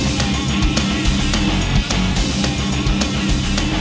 aku udah siapin sarapan loh buat kamu